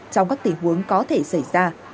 trong các tình huống có thể xảy ra